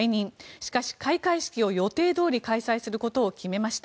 しかし、開会式を予定どおり開催することを決めました。